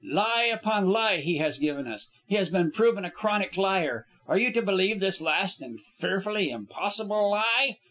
Lie upon lie he has given us; he has been proven a chronic liar; are you to believe this last and fearfully impossible lie?